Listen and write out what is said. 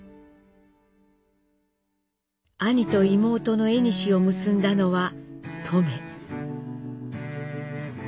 兄と妹のえにしを結んだのはトメ。